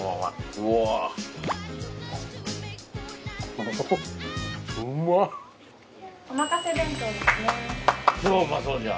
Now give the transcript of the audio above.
超うまそうじゃん。